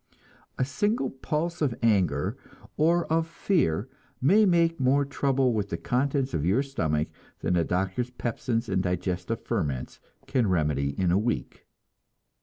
A single pulse of anger or of fear may make more trouble with the contents of your stomach than the doctor's pepsins and digestive ferments can remedy in a week.